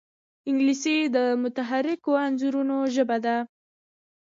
انګلیسي د متحرکو انځورونو ژبه ده